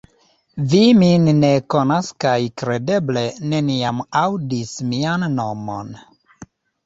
Vi min ne konas kaj kredeble neniam aŭdis mian nomon.